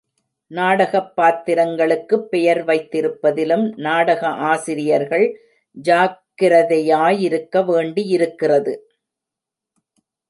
நாடகப் பாத்திரங்களுக்குப் பெயர் வைத்திருப்பதிலும் நாடக ஆசிரியர்கள் ஜாக்கிரதை யாயிருக்க வேண்டியிருக்கிறது!